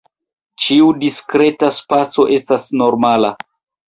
Ĉiu diskreta spaco estas normala.